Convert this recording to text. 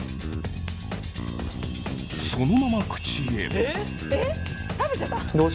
そのまま口へ。